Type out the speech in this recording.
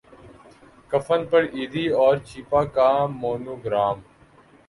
کفن پر ایدھی اور چھیپا کا مونو گرام